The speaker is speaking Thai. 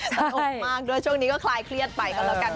สนุกมากด้วยช่วงนี้ก็คลายเครียดไปก็แล้วกัน